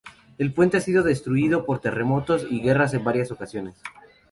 El puente ha sido destruido por terremotos y guerras en varias ocasiones.